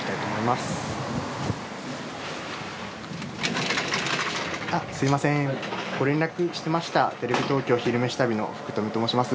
すみませんご連絡してましたテレビ東京「昼めし旅」の福冨と申します。